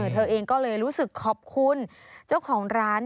เธอเองก็เลยรู้สึกขอบคุณเจ้าของร้าน